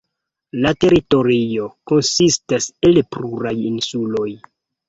La teritorio konsistas el pluraj insuloj.